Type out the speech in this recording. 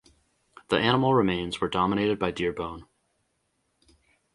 The animal remains were dominated by deer bone.